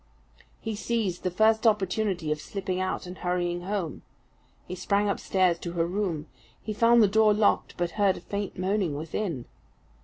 He seized the first opportunity of slipping out and hurrying home. He sprang upstairs to her room. He found the door locked, but heard a faint moaning within.